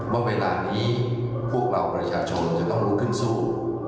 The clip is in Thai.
ว่าเวลานี้พวกเราประชาชนจะต้องลุกขึ้นสู้